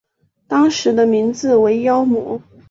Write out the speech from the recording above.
当时的名字为妖魔。